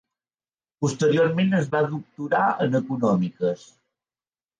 Posteriorment es va doctorar en Econòmiques.